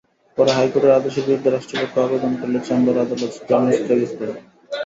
পরে হাইকোর্টের আদেশের বিরুদ্ধে রাষ্ট্রপক্ষ আবেদন করলে চেম্বার আদালত জামিন স্থগিত করেন।